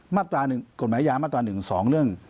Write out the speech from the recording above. มาตราหนึ่งกฎหมายย้ามาตราหนึ่ง๒เรื่อง